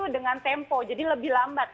dengan tempo jadi lebih lambat